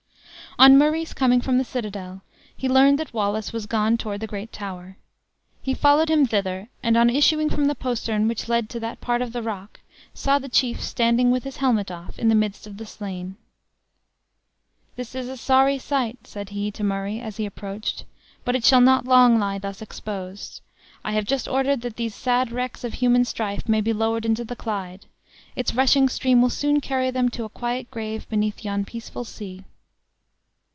On Murray's coming from the citadel, he learned that Wallace was gone toward the great tower. He followed him thither; and on issuing from the postern which led to that part of the rock, saw the chief standing, with his helmet off, in the midst of the slain. "This is a sorry sight!" said he to Murray, as he approached; "but it shall not long lie thus exposed. I have just ordered that these sad wrecks of human strife may be lowered into the Clyde; its rushing stream will soon carry them to a quiet grave beneath yon peaceful sea."